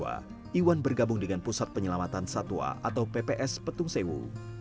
pada tahun dua ribu dua iwan bergabung dengan pusat penyelamatan satwa atau pps petung sewu